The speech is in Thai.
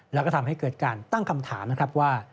แล้วก็ทำให้เกิดการตั้งคำถามนะครับว่า